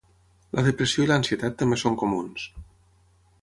La depressió i l'ansietat també són comuns.